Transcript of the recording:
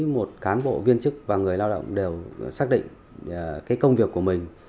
một cán bộ viên chức và người lao động đều xác định công việc của mình